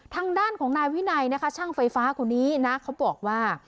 ทางด้านของนายวินัยนะคะช่างไฟฟ้าคนนี้นะเขาบอกว่า